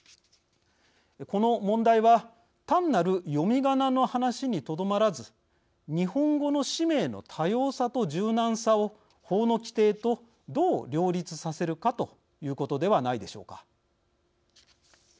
この問題は単なる読みがなの話にとどまらず日本語の氏名の多様さと柔軟さを法の規定とどう両立させるかということではないでしょうか。